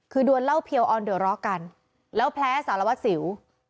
คือดวนเหล้าเพียวออนเดอะร้อกันแล้วแพ้สารวัตรสิว